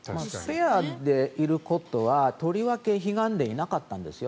スペアでいることはとりわけひがんでいなかったんですよ。